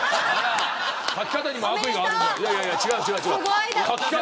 書き方にも悪意がある。